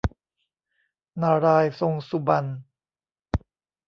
นารายณ์ทรงสุบรรณ